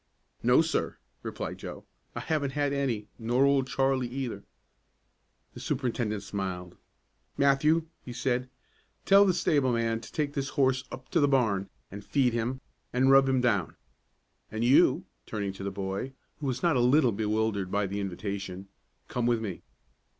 "No, sir," replied Joe, "I haven't had any, nor Old Charlie either." The superintendent smiled. "Matthew," he said, "tell the stable man to take this horse up to the barn and feed him and rub him down. And you," turning to the boy, who was not a little bewildered by the invitation, "come with me."